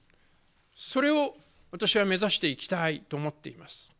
それを私は目指していきたいと思っています。